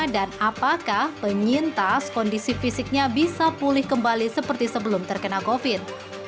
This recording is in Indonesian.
dan apakah penyintas kondisi fisiknya bisa pulih kembali seperti sebelum terkena covid